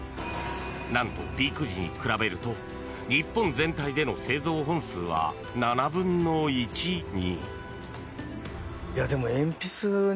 なんと、ピーク時に比べると日本全体での製造本数は７分の１に。